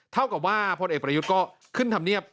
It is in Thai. เท่ากับว่าพลเอกประยุทธ์ก็ขึ้นธรรมเนียบ